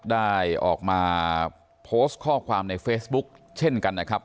ได้ออกมาโพสต์ข้อความในเฟซบุ๊คเช่นกันนะครับ